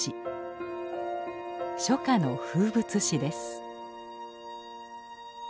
初夏の風物詩です。